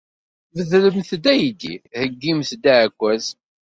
Bedremt-d aydi, heyyimt-d aɛekkaz.